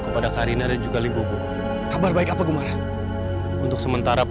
kepada kak reena